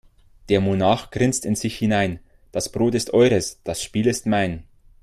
Der Monarch grinst in sich hinein: Das Brot ist eures, das Spiel ist mein.